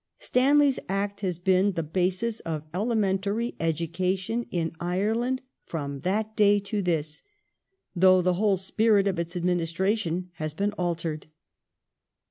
Stanley's Act has been the basis of elementary education in Ireland from that day to this, though the whole spirit of its administration has been altered.